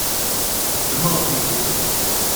Ddmeɣ-t-id.